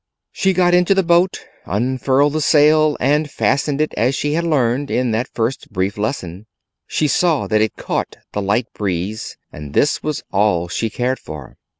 She got into the boat, unfurled the sail, and fastened it as she had learned in that first brief lesson. She saw that it caught the light breeze, and this was all she cared for.